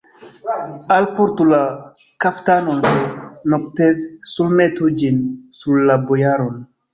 Alportu la kaftanon de Nogtev, surmetu ĝin sur la bojaron!